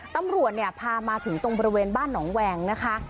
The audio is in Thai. ตำรวจเนี่ยพามาถึงตรงบริเวณบ้านหนองแวงนะคะ